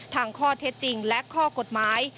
ทั้งข้อเท็จจริงและข้อกฎหมาย